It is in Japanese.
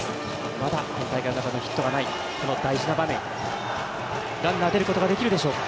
まだ今大会はヒットがないこの大事な場面でランナー出ることができるでしょうか。